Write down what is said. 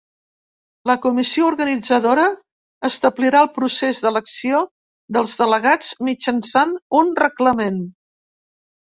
La comissió organitzadora establirà el procés d’elecció dels delegats mitjançant un reglament.